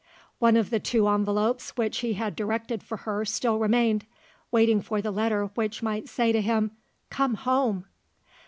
One of the two envelopes which he had directed for her still remained waiting for the letter which might say to him, "Come home!"